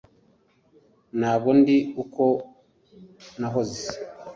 ntabwo ndi uko nahoze.